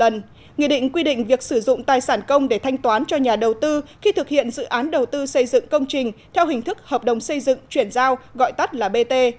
nghị định quy định việc sử dụng tài sản công để thanh toán cho nhà đầu tư khi thực hiện dự án đầu tư xây dựng công trình theo hình thức hợp đồng xây dựng chuyển giao gọi tắt là bt